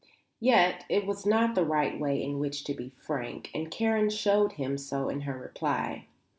Yet it was not the right way in which to be frank, and Karen showed him so in her reply.